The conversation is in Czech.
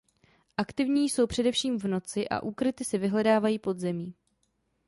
Aktivní jsou především v noci a úkryty si vyhledávají pod zemí.